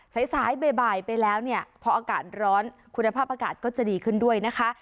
สายสายบ่ายไปแล้วเนี่ยพออากาศร้อนคุณภาพอากาศก็จะดีขึ้นด้วยนะคะ